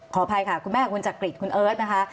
ขออภัยค่ะคุณแม่ของคุณจักริตคุณเอิร์ทนะคะ